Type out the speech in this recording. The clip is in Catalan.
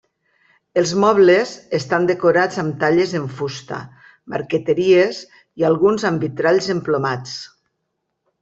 Els mobles estan decorats amb talles en fusta, marqueteries, i alguns amb vitralls emplomats.